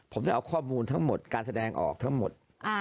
ผมได้เอาข้อมูลทั้งหมดการแสดงออกทั้งหมด